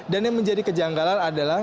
dan yang menjadi kejanggalan adalah